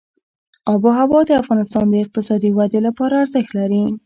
آب وهوا د افغانستان د اقتصادي ودې لپاره ارزښت لري.